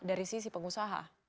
dari sisi pengusaha